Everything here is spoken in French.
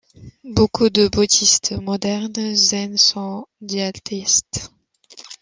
Beaucoup de bouddhistes modernes zen sont dialethéistes.